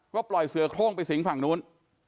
ก็ปล่อยเสือโครงไปสิงฝั่งนู้น